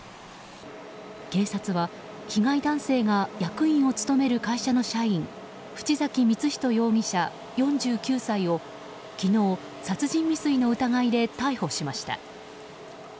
警察は、被害男性が役員を務める会社の社員淵崎満仁容疑者、４９歳を昨日、殺人未遂の疑いで逮捕しました。